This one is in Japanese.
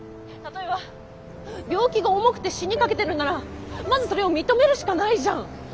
例えば病気が重くて死にかけてるんならまずそれを認めるしかないじゃん。